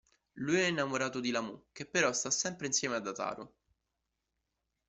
Lui è innamorato di Lamù, che però sta sempre insieme ad Ataru.